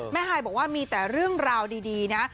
ฮายบอกว่ามีแต่เรื่องราวดีนะ